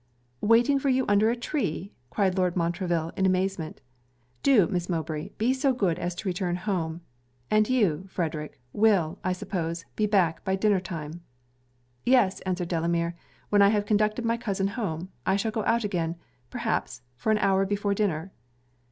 'Waiting for you under a tree!' cried Lord Montreville, in amazement. 'Do Miss Mowbray be so good as to return home. And you, Frederic, will, I suppose, be back by dinner time.' 'Yes,' answered Delamere, 'when I have conducted my cousin home, I shall go out again, perhaps, for an hour before dinner.'